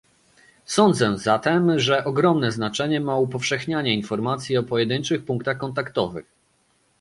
Sądzę zatem, że ogromne znaczenie ma upowszechnianie informacji o pojedynczych punktach kontaktowych